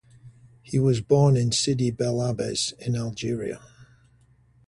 He was born in Sidi bel Abbes in Algeria.